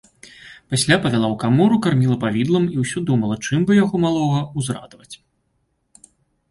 Пасля павяла ў камору, карміла павідлам і ўсё думала, чым бы яго, малога, узрадаваць.